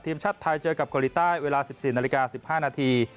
ทีมชาติไทยเจอกับเกาหลีใต้เวลา๑๔นาฬิกา๑๕นาที